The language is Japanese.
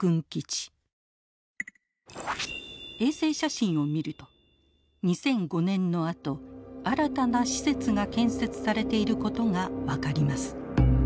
衛星写真を見ると２００５年のあと新たな施設が建設されていることが分かります。